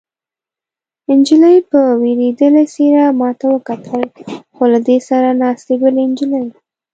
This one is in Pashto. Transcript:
نجلۍ په وېرېدلې څېره ما ته وکتل، خو له دې سره ناستې بلې نجلۍ.